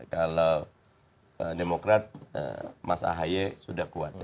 kalau demokrat mas ahaye sudah kuat